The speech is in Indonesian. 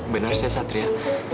benar saya satria